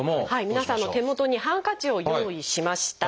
皆さんの手元にハンカチを用意しました。